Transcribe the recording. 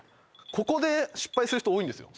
ここで失敗する人多いんですよ